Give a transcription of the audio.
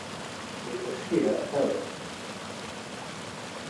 He is a Shia Arab.